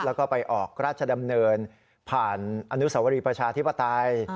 แล้วก็ไปออกราชดำเนินผ่านอนุสวรีประชาธิปไตย